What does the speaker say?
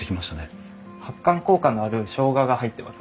発汗効果のあるしょうがが入ってます。